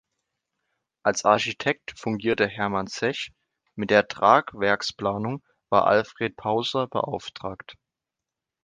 Als Architekt fungierte Hermann Czech, mit der Tragwerksplanung war Alfred Pauser beauftragt.